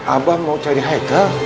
abah mau cari haikal